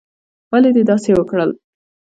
ولې دې داسې وکړل؟